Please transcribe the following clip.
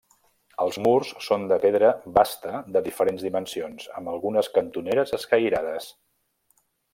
Els murs són de pedra basta de diferents dimensions, amb algunes cantoneres escairades.